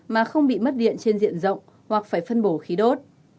mà không bị mất điện trên diện rộng hoặc phải phân bổ khí đốt